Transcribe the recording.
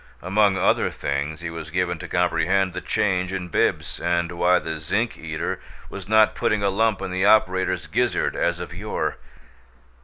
Among other things he was given to comprehend the change in Bibbs, and why the zinc eater was not putting a lump in the operator's gizzard as of yore.